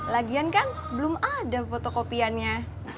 lagian kan belum ada fotokopiannya